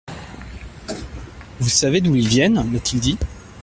«Vous savez d'où ils viennent ?» m'a-t-il dit.